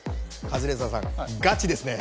カズレーザーさんガチですね。